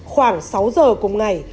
khoảng sáu giờ cùng ngày